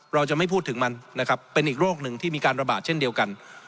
เราจะไม่พูดถึงมันนะครับเป็นอีกโรคหนึ่งที่มีการระบาดเช่นเดียวกัน